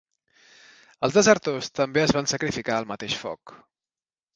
Els desertors també es van sacrificar al mateix foc.